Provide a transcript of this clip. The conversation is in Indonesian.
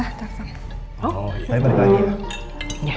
oh saya balik lagi ya